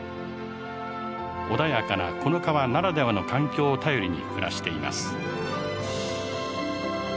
穏やかなこの川ならではの環境を頼りに暮らしています。